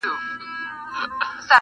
• محتسب مړ وي سیوری یې نه وي -